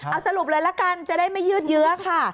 เอาสรุปเลยละกันจะได้ไม่ยืดเยื้อค่ะ